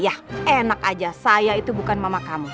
ya enak aja saya itu bukan mama kamu